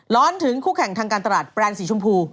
ถึงคู่แข่งทางการตลาดแบรนด์สีชมพู